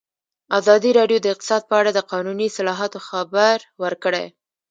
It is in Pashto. ازادي راډیو د اقتصاد په اړه د قانوني اصلاحاتو خبر ورکړی.